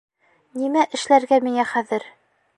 Нимә эшләргә миңә хәҙер?